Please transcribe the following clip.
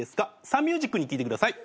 サンミュージックに聞いてください。